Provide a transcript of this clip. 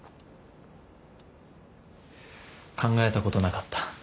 考えたことなかった。